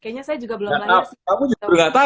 kamu juga belum tau loh